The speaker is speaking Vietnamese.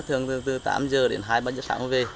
thường từ tám h đến hai ba h sáng mới về